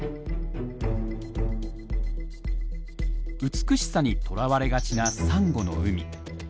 美しさにとらわれがちなサンゴの海。